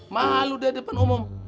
malu deh depan umum